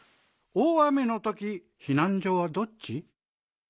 大雨のときひなんじょはどっち？